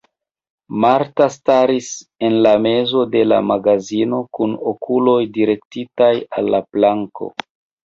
Marta staris en la mezo de la magazeno kun okuloj direktitaj al la planko.